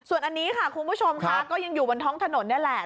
ส่วนอันนี้ค่ะคุณผู้ชมค่ะก็ยังอยู่บนท้องถนนนี่แหละ